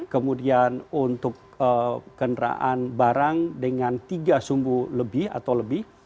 kemudian untuk kendaraan barang dengan tiga sumbu lebih atau lebih